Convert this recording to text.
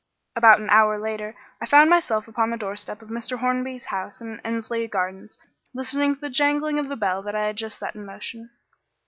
About an hour later I found myself upon the doorstep of Mr. Hornby's house in Endsley Gardens listening to the jangling of the bell that I had just set in motion.